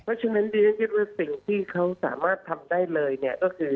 เพราะฉะนั้นดิฉันคิดว่าสิ่งที่เขาสามารถทำได้เลยเนี่ยก็คือ